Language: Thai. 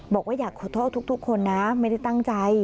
บอกว่าอยากขอโทษทุกคนนะไม่ได้ตั้งใจ